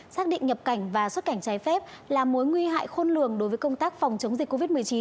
xác định nhập cảnh và xuất cảnh trái phép là mối nguy hại khôn lường đối với công tác phòng chống dịch covid một mươi chín